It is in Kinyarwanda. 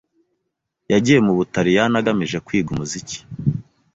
Yagiye mu Butaliyani agamije kwiga umuziki.